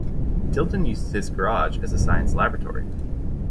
Dilton uses his garage as a science laboratory.